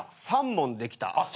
３問できた。